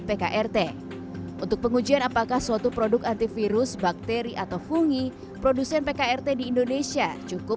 pkrt untuk pengujian apakah suatu produk antivirus bakteri atau fungi produsen pkrt di indonesia cukup